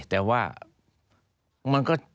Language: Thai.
แต่ว่ามันก็